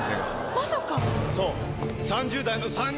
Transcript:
まさか！